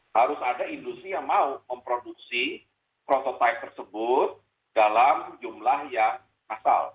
harus ada industri yang mau memproduksi prototipe tersebut dalam jumlah yang masal